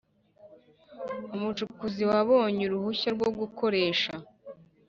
Umucukuzi wabonye uruhushya rwo gukoresha